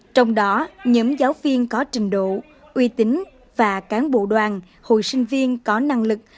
trong đó nhóm giáo viên có trình độ uy tín và cán bộ đoàn hồi sinh viên có năng lực